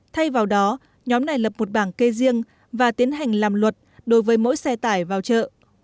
thay vào đó nhóm này lập một bảng kê riêng và tiến hành làm luật đối với mỗi xe tải vào chợ